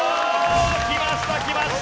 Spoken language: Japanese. きましたきました。